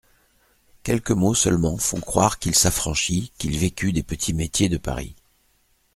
Quelques mots seulement font croire qu'il s'affranchit, qu'il vécut des petits métiers de Paris.